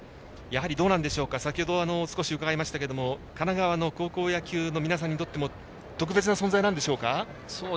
やはり、先ほど少し伺いましたが神奈川の高校野球の皆さんにとっても特別な存在なんでしょうか。